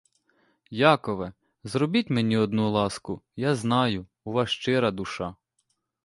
Якове, зробіть мені одну ласку, я знаю, у вас щира душа!